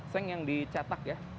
seng yang dicetak ya